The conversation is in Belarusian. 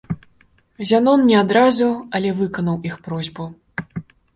Зянон не адразу, але выканаў іх просьбу.